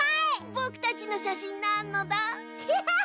ぼくたちのしゃしんなのだ。